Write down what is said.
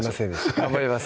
頑張ります